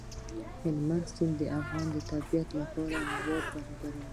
هلمند سیند د افغانستان د صنعت لپاره مواد برابروي.